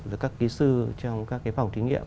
và các ký sư trong các phòng thí nghiệm